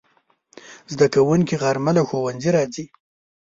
زدهکوونکي غرمه له ښوونځي راځي